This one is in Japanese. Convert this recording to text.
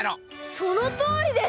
そのとおりです！